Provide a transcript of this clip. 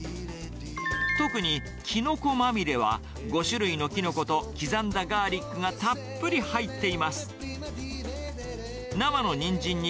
特に、きのこまみれは５種類のきのこと、刻んだガーリックがたっぷり入っています。